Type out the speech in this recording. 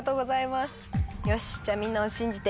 よしじゃあみんなを信じて。